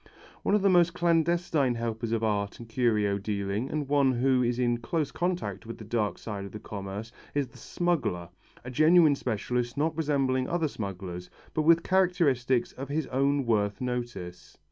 One of the most clandestine helpers of art and curio dealing and one who is in close contact with the dark side of the commerce is the smuggler, a genuine specialist not resembling other smugglers but with characteristics of his own worth notice.